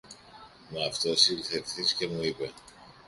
Μ' αυτός ήλθε ευθύς και μου είπε